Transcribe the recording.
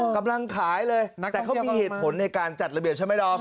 กำลังขายเลยแต่เขามีเหตุผลในการจัดระเบียบใช่ไหมดอม